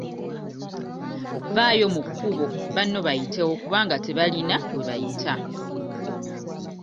Vvaayo mu kkubo banno bayitewo kubanga tebalina we bayita.